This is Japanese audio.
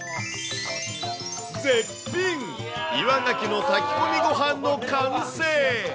絶品、岩ガキの炊き込みご飯の完成。